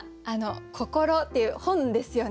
「こころ」っていう本ですよね。